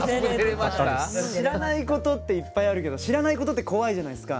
知らないことっていっぱいあるけど知らないことって怖いじゃないですか。